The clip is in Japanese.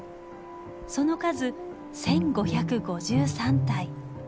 その数１，５５３体。